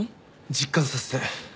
実感させて。